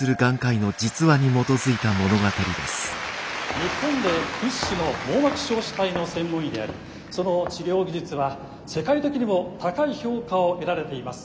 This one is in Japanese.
日本で屈指の網膜硝子体の専門医でありその治療技術は世界的にも高い評価を得られています。